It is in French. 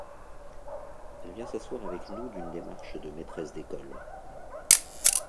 Elle vient s’asseoir avec nous d’une démarche de maîtresse d’école.